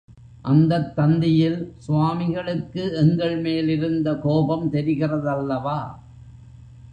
அந்தத் தந்தியில் சுவாமிகளுக்கு எங்கள்மேல் இருந்த கோபம் தெரிகிறதல்லவா?